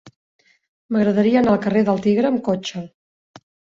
M'agradaria anar al carrer del Tigre amb cotxe.